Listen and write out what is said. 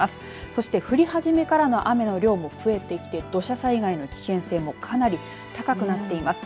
そして降り始めからの雨の量も増えてきて、土砂災害の危険性もかなり高くなっています。